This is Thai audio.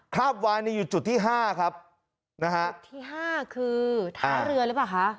ราบวายนี่อยู่จุดที่ห้าครับนะฮะจุดที่ห้าคือท่าเรือหรือเปล่าคะ